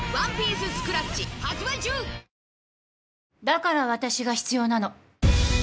「だから私が必要なの」